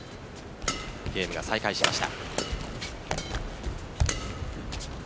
ゲームが再開しました。